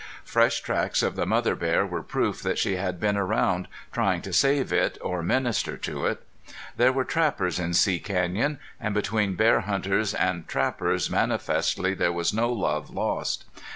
Fresh tracks of the mother bear were proof that she had been around trying to save it or minister to it. There were trappers in See Canyon; and between bear hunters and trappers manifestly there was no love lost.